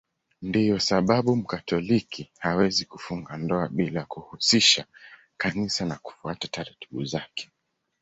Ndiyo sababu Mkatoliki hawezi kufunga ndoa bila ya kuhusisha Kanisa na kufuata taratibu zake.